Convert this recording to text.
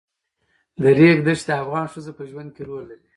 د ریګ دښتې د افغان ښځو په ژوند کې رول لري.